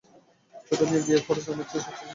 ছোট মেয়ের বিয়ের খরচ আমার ছেলে সেচ্ছায় বহন করতে চেয়েছে।